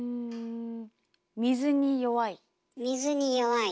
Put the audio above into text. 水に弱い。